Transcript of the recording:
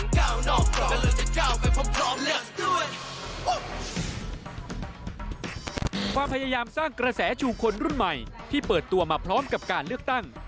ความพยายามสร้างกระแสชูคนรุ่นใหม่ที่เปิดตัวมาพร้อมกับการเลือกตั้ง